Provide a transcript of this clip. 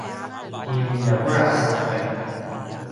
ti ljavuras aken